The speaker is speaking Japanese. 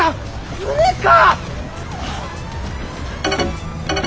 船か！